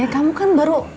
kamu kan baru